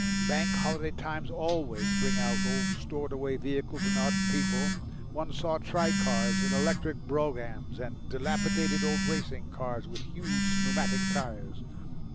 Bank Holiday times always bring out old stored away vehicles and odd people; one saw tricars and electric broughams and dilapidated old racing motors with huge pneumatic tyres.